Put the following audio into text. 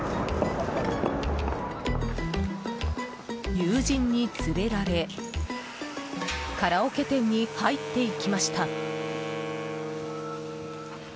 友人に連れられカラオケ店に入って行きました。